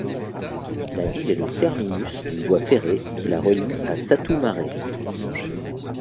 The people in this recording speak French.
La ville est le terminus d'une voie ferrée qui la relie à Satu Mare.